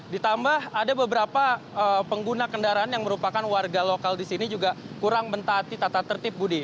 ditambah ada beberapa pengguna kendaraan yang merupakan warga lokal di sini juga kurang mentaati tata tertib budi